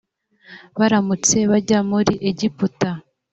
baramanutse bajya muri egiputa.